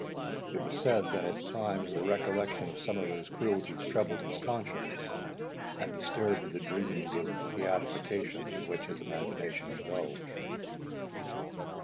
It was said, that at times the recollection of some of those cruelties troubled his conscience, and disturbed the dreams of beatification in which his imagination indulged.